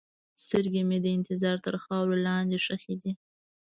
سترګې مې د انتظار تر خاورو لاندې ښخې دي.